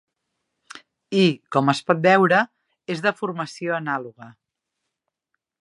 I, com es pot veure, és de formació anàloga.